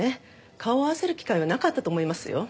顔を合わせる機会はなかったと思いますよ。